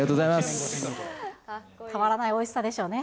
変わらないおいしさでしょうね。